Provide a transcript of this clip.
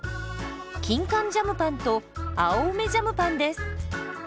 キンカンジャムパンと青梅ジャムパンです。